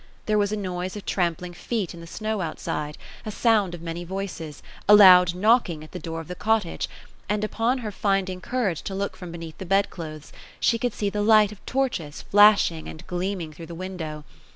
There was a noise of trampling feet in the snow outside ; a sound of many voices ; a loud knocking at the door of the cottage ; and upon her finding cour age to look from beneath the bed clothes, she could see the light of torches flashing and gleaming through the window.